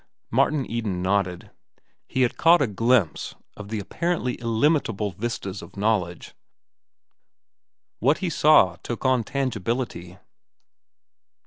Martin Eden nodded. He had caught a glimpse of the apparently illimitable vistas of knowledge. What he saw took on tangibility.